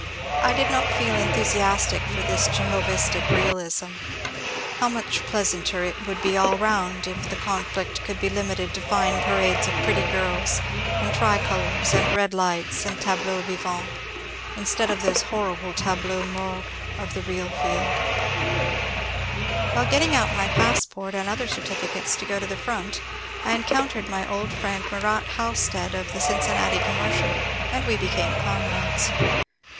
I did not feel enthusiastic for this Jehovistic realism. How much plea santer it would be all round if the conflict could be limited to fine parades of pretty girls and tricolours and red lights and tableaux vivants^ instead of those horrible tableaux morts of the real field I While getting out my passport and other certificates to go to the front I encountered my old friend Murat Halstead of the *' Cincinnati Commercial," and we became comrades.